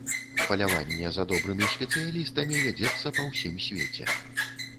Паляванне за добрымі спецыялістамі вядзецца па ўсім свеце.